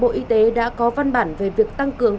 bộ y tế đã có văn bản về việc tăng cường